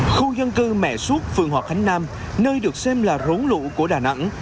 khu dân cư mẹ suốt phường hòa khánh nam nơi được xem là rốn lũ của đà nẵng